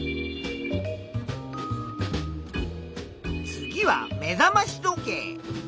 次は目覚まし時計。